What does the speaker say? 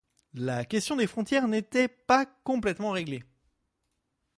La question des frontières n'était pas complètement réglée.